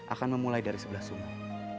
akan memulai dari sebelah sumur